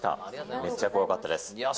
めっちゃ怖かったです。